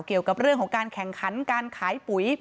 เกี่ยวกับเรื่องของการแข่งขันการขายปุ๋ย